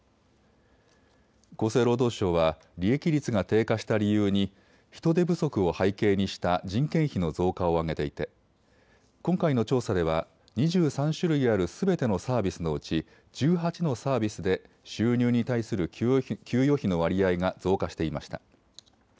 厚生労働省は利益率が低下した理由に人手不足を背景にした人件費の増加を挙げていて今回の調査では２３種類あるすべてのサービスのうち１８のサービスで収入に対する給与費の割合が増加していました。